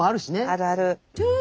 あるある。